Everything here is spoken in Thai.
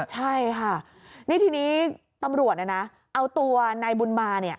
ใช่ค่ะนี่ทีนี้ตำรวจเอาตัวนายบุญมาเนี่ย